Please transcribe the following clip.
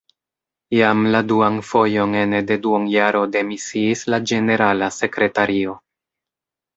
Jam la duan fojon ene de duonjaro demisiis la ĝenerala sekretario.